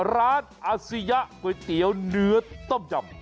ร้านอาเซียก๋วยเตี๋ยวเนื้อต้มจำ